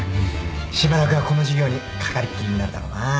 しばらくはこの事業にかかりっきりになるだろうな。